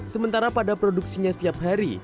sementara pada produksinya setiap hari